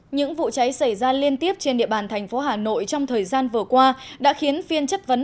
những vụ cháy xảy ra liên tiếp trên địa bàn thành phố hà nội trong thời gian vừa qua đã khiến phiên chất vấn